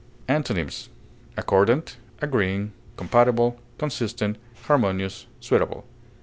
Antonyms: accordant, agreeing, compatible, consistent, harmonious, suitable.